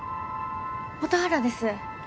ピ―蛍原です。